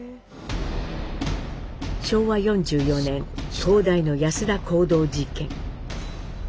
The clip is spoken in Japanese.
昭和４４年東大の安田講堂事件。